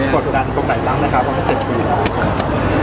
กดดันตรงไหนล่างนะคะเพราะว่า๗ปีแล้ว